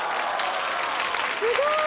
すごい。